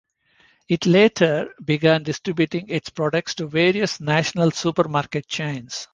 It later began distributing its products to various national supermarket chains.